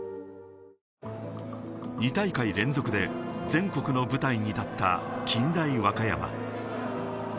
２大会連続で全国の舞台に立った近大和歌山。